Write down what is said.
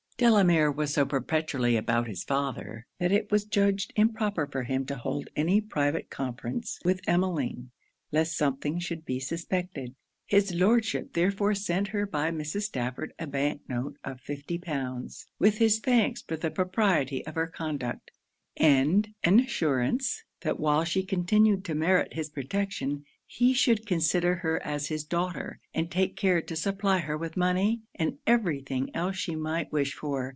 Delamere was so perpetually about his father, that it was judged improper for him to hold any private conference with Emmeline, lest something should be suspected. His Lordship therefore sent her by Mrs. Stafford a bank note of fifty pounds; with his thanks for the propriety of her conduct, and an assurance, that while she continued to merit his protection, he should consider her as his daughter, and take care to supply her with money, and every thing else she might wish for.